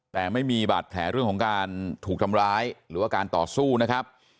แต่ไม่มีบาดแผลเรื่องของการถูกทำร้ายหรือว่าการต่อสู้นะครับ